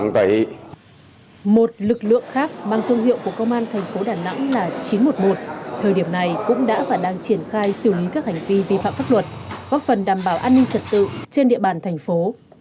thời điểm này cũng đã và đang triển khai xử lý các hành vi vi phạm pháp luật góp phần đảm bảo an ninh trật tự trên địa bàn thành phố